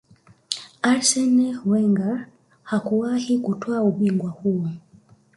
Arsene Wenger hakuwahi kutwaa ubingwa huo